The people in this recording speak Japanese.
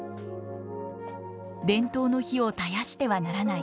伝統の灯を絶やしてはならない。